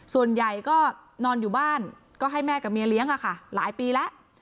ส่วนใหญ่ก็นอนอยู่บ้านก็ให้แม่กับเมียเลี้ยงหลายปีแล้ว